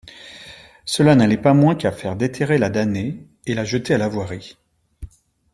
Cela n'allait pas moins qu'à faire déterrer la damnée et la jeter à la voirie.